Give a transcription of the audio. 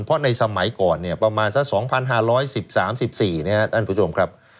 เพราะในสมัยก่อนประมาณสัก๒๕๑๓๑๔